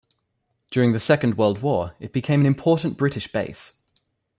During the Second World War it became an important British base.